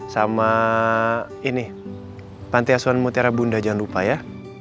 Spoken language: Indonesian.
sama ini pantai asuhan mutiara bunda jangan lupa ya